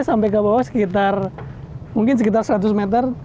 sampai ke bawah sekitar mungkin sekitar seratus meter